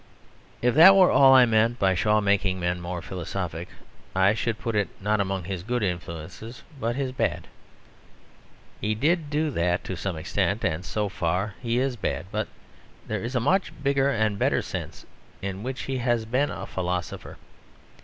If that were all that I meant by Shaw making men more philosophic, I should put it not among his good influences but his bad. He did do that to some extent; and so far he is bad. But there is a much bigger and better sense in which he has been a philosopher.